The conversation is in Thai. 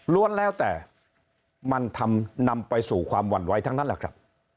แล้วแต่มันทำนำไปสู่ความหวั่นไหวทั้งนั้นแหละครับ